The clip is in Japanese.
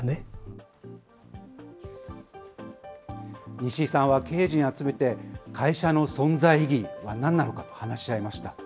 西井さんは経営陣を集めて、会社の存在意義はなんなのかと話し合いました。